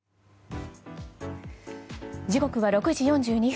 時刻は６時４２分。